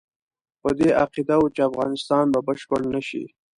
په دې عقیده وو چې افغانستان به بشپړ نه شي.